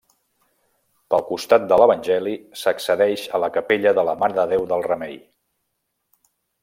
Pel costat de l'Evangeli, s'accedeix a la Capella de la Mare de Déu del Remei.